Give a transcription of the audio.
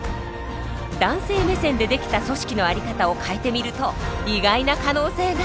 男性目線で出来た組織の在り方を変えてみると意外な可能性が。